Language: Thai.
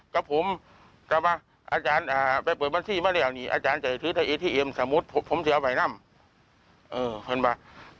ก็ควรอาจารย์ไปเปิดบัญชีไม่ได้อาจารย์จะอีกทุกเอทีมถ้าผมเสียว่ายนั่ง